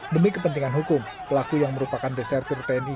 demi kepentingan hukum pelaku yang merupakan desertur tni